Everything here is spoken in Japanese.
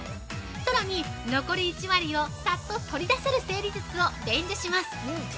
さらに、残り１割をさっと取り出せる整理術を伝授します。